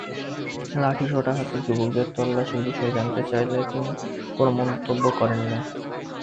লাঠিসোঁটা হাতে যুবকদের তল্লাশির বিষয়ে জানতে চাইলে তিনি কোনো মন্তব্য করেননি।